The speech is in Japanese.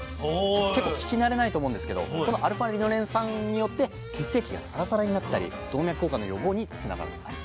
結構聞き慣れないと思うんですけどこのα−リノレン酸によって血液がサラサラになったり動脈硬化の予防につながるんです。